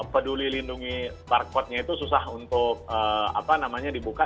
peduli lindungi parkotnya itu susah untuk dibuka